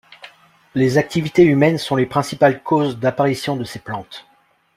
Les activités humaines sont les principales causes d’apparitions de ces plantes.